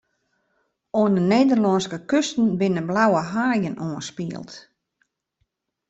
Oan 'e Nederlânske kusten binne blauwe haaien oanspield.